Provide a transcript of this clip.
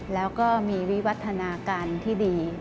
แล้วก็มีวิวัฒนาการที่ดี